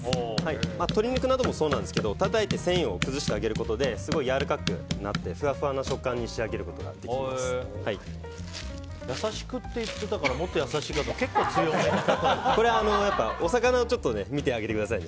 鶏肉などもそうなんですけどたたいて繊維を崩してあげることですごいやわらかくなってふわふわの食感に仕上げることが優しくって言ってたからもっと優しいと思ってたけどお魚をちょっと見てやってくださいね。